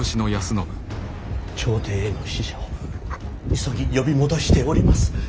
朝廷への使者を急ぎ呼び戻しております。